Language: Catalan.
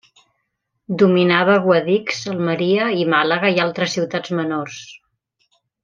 Dominava Guadix, Almeria i Màlaga i altres ciutats menors.